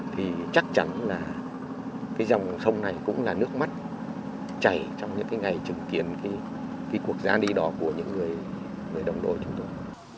thì dòng sông này cũng là nước mắt chảy trong những cái ngày chứng kiến cái cuộc giá đi đỏ của những người đồng đội chúng tôi